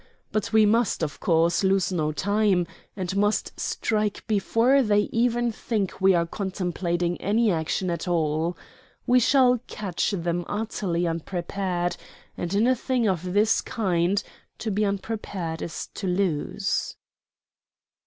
But we must, of course, lose no time, and must strike before they even think we are contemplating any action at all. We shall catch them utterly unprepared; and, in a thing of this kind, to be unprepared is to lose."